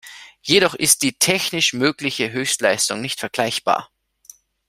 Jedoch ist die technisch mögliche Höchstleistung nicht vergleichbar.